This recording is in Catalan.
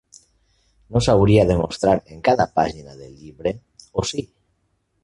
No s'hauria de mostrar en cap pàgina de llibre, o sí?